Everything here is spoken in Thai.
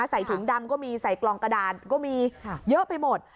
ใส่ถุงดำก็มีใส่กล่องกระดาษก็มีเยอะไปหมด